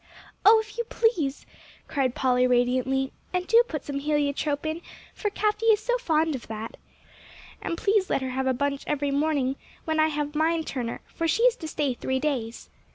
"Oh, if you please," cried Polly radiantly; "and do put some heliotrope in, for Cathie is so fond of that. And please let her have a bunch every morning when I have mine, Turner, for she is to stay three days."